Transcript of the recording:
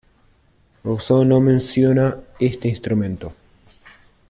Rousseau no menciona este instrumento.